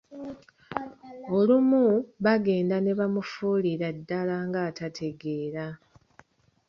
Olumu baagenda ne bamufuulira ddala ng'atategeera.